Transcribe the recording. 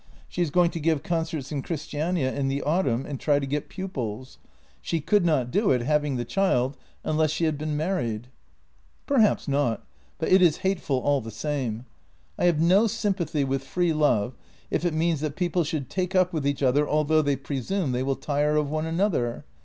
She is going to give concerts in Christiania in the autumn and try to get pupils. She could not do it, having the child, unless she had been married." " Perhaps not, but it is hateful all the same. I have no sympathy with free love, if it means that people should take up with each other although they presume they will tire of one another.